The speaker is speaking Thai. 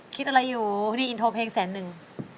คิดอะไรอยู่นี่อินโทรเพลงแสนนึง